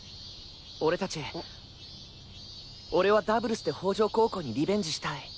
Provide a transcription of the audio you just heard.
俺達俺はダブルスで法城高校にリベンジしたい。